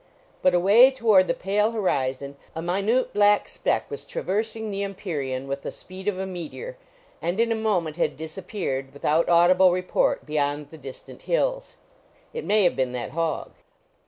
But away toward the pale horizon a minute black speck was traversing the empyrean with the speed of a meteor, and in a moment had disappeared, without audible report, beyond the distant hills. It may have been that hog.